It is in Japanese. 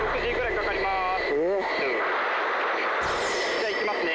じゃいきますね。